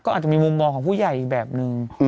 อาจจะมีมุมมองของผู้ใหญ่อีกแบบนึง